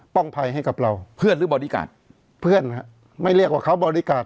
ภัยให้กับเราเพื่อนหรือบริการ์เพื่อนไม่เรียกว่าเขาบริการ